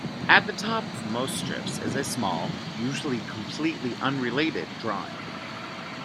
At the top of most strips is a small, usually completely unrelated drawing.